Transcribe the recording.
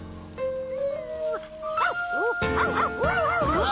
うわ！